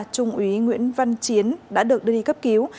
trung úy nguyễn văn chiến đã được đưa đi cấp cứu